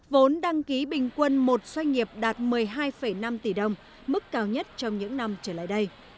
vốn đăng ký bình quân một doanh nghiệp đạt một mươi hai năm tỷ đồng mức cao nhất trong những năm trở lại đây